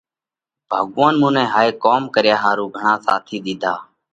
ڀڳوونَ مُون نئہ هائي ڪوم ڪريا ۿارُو گھڻا ساٿِي ۮِيڌاھ۔